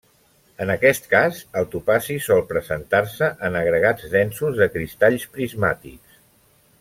En aquest cas, el topazi sol presentar-se en agregats densos de cristalls prismàtics.